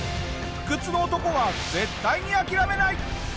不屈の男は絶対に諦めない！